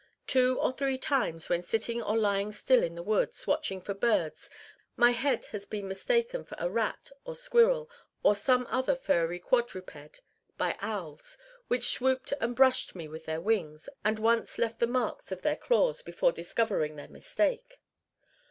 Two or three times, when sitting or lying still in the woods watching for birds, my head has been mistaken for a rat or squirrel, or some other furry quadruped, by owls, which swooped and brushed me with their wings, and once left the marks of their claws, before discovering their mistake.